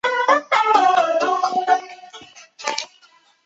日本治台初期随桦山总督抵台的学务部长伊泽修二为其兄。